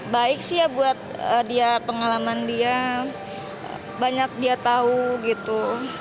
baik sih ya buat dia pengalaman dia banyak dia tahu gitu